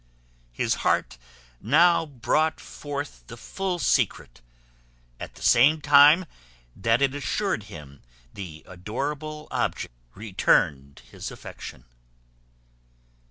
His heart now brought forth the full secret, at the same time that it assured him the adorable object returned his affection.